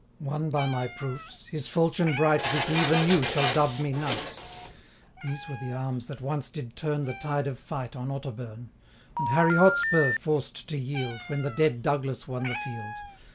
Won by my proofs, his falchion bright This eve anew shall dub me knight. These were the arms that once did turn 270 The tide of fight on Otterburne, And Harry Hotspur forced to yield, When the Dead Douglas won the field.